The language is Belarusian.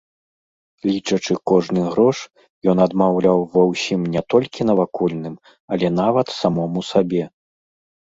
Лічачы кожны грош, ён адмаўляў ва ўсім не толькі навакольным, але нават самому сабе.